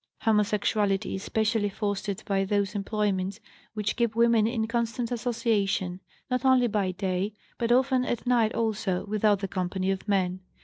Homosexuality is specially fostered by those employments which keep women in constant association, not only by day, but often at night also, without the company of men.